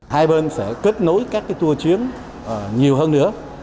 hai bên sẽ kết nối các tour chuyến nhiều hơn nữa